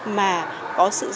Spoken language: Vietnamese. mà có sự sống